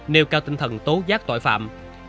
nêu cao tinh thần tố giác tội phạm